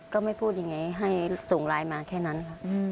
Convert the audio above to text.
ก็ไม่พูดยังไงให้ส่งไลน์มาแค่นั้นค่ะ